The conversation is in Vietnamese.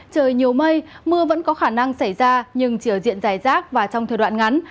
trời nhiều mây mưa vẫn có khả năng xảy ra nhưng chỉ ở diện dài rác và trong thời đoạn ngắn